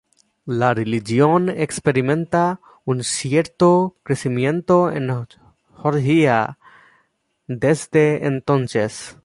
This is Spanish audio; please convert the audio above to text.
La religión experimenta un cierto crecimiento en Georgia desde entonces.